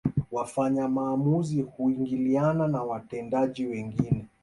Wafanya maamuzi huingiliana na watendaji wengine